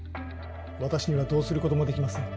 私にはどうすることもできません。